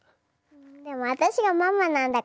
でも私がママなんだから。